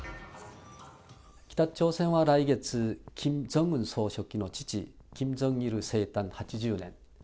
北朝鮮は来月、キム・ジョンウン総書記の父、キム・ジョンイルの生誕８０年。